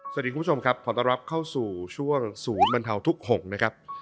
สวัสดีคุณผู้ชมครับขอต้อนรับเข้าสู่ช่วงศูนย์บรรเทาทุก๖นะครับ